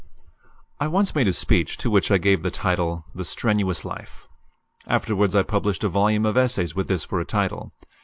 I once made a speech to which I gave the title "The Strenuous Life." Afterwards I published a volume of essays with this for a title.